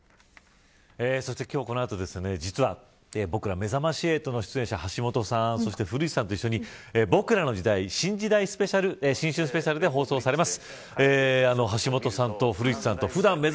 そして今日、この後、実は僕ら、めざまし８の出演者橋下さん、古市さんと一緒にボクらの時代新春スペシャルが放送されます。